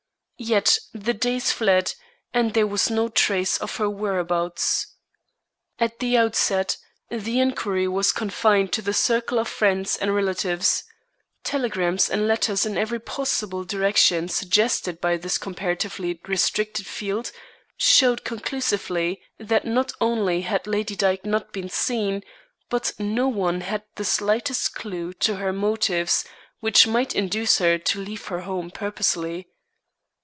Yet the days fled, and there was no trace of her whereabouts. At the outset, the inquiry was confined to the circle of friends and relatives. Telegrams and letters in every possible direction suggested by this comparatively restricted field showed conclusively that not only had Lady Dyke not been seen, but no one had the slightest clue to the motives which might induce her to leave her home purposely.